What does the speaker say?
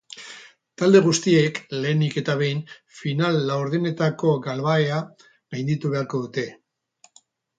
Talde guztiek, lehenik eta behin, final-laurdenetako galbahea gainditu beharko dute.